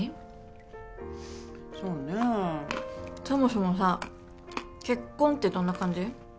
そもそもさ結婚ってどんな感じ？